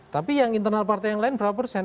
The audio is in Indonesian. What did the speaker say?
tapi yang internal partai yang lain berapa persen